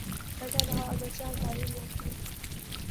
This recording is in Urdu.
بیٹھا رہا اگرچہ اشارے ہوا کیے